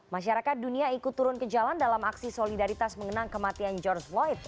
masyarakat dunia ikut turun ke jalan dalam aksi solidaritas mengenang kematian george floyd